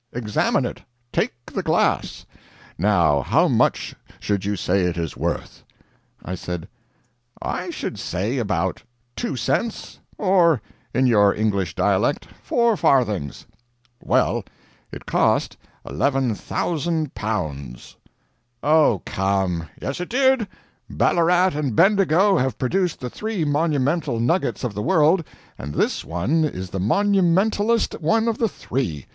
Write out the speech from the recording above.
Examine it take the glass. Now how much should you say it is worth?" I said: "I should say about two cents; or in your English dialect, four farthings." "Well, it cost L11,000." "Oh, come!" "Yes, it did. Ballarat and Bendigo have produced the three monumental nuggets of the world, and this one is the monumentalest one of the three.